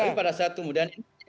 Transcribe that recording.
tapi pada saat kemudian ini kaitannya